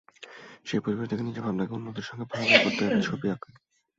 সেই পরিবেশ দেখে নিজের ভাবনাকে অন্যদের সঙ্গে ভাগাভাগি করতেই ছবি আঁকা।